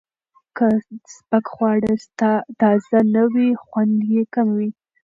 که سپک خواړه تازه نه وي، خوند یې کم وي.